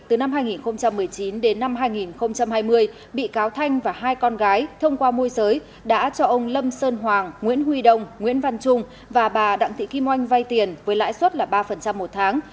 từ năm hai nghìn một mươi chín đến năm hai nghìn hai mươi bị cáo thanh và hai con gái thông qua môi giới đã cho ông lâm sơn hoàng nguyễn huy đông nguyễn văn trung và bà đặng thị kim oanh vay tiền với lãi suất ba một tháng